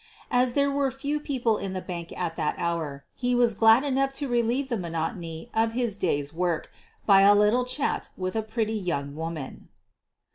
As there were few people in the bank at that hour, he was glad enough to relieve the mo notony of his day's work by a little chat with a pretty young woman.